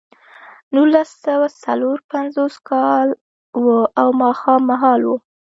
نولس سوه څلور پنځوس کال و او ماښام مهال و